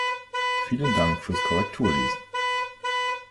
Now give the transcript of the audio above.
Vielen Dank fürs Korrekturlesen!